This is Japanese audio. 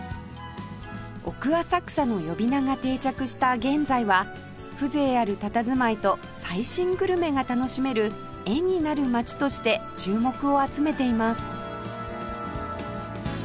奥浅草の呼び名が定着した現在は風情あるたたずまいと最新グルメが楽しめる絵になる街として注目を集めています